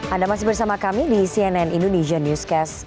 anda masih bersama kami di cnn indonesia newscast